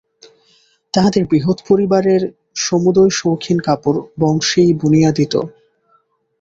তাঁহাদের বৃহৎ পরিবারের সমুদয় শৌখিন কাপড় বংশীই বুনিয়া দিত।